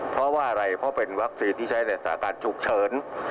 เพราะว่าอะไรเพราะเป็นวัคซีนที่ใช้ในสถานการณ์ฉุกเฉิน